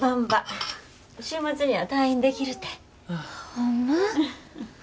ホンマ？